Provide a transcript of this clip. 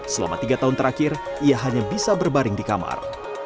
selama tiga tahun terakhir ia hanya bisa berbaring di kamar